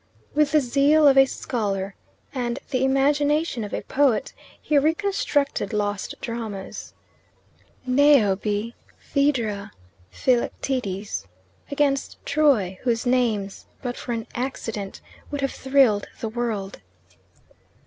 With the zeal of a scholar and the imagination of a poet he reconstructed lost dramas Niobe, Phaedra, Philoctetes against Troy, whose names, but for an accident, would have thrilled the world.